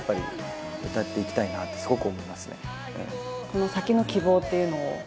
この先の希望というのを？